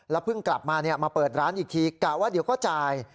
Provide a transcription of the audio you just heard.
เพิ่งกลับมามาเปิดร้านอีกทีกะว่าเดี๋ยวก็จ่าย